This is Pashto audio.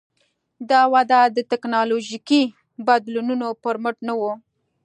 دا وده د ټکنالوژیکي بدلونونو پر مټ نه وه.